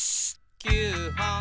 「９ほん」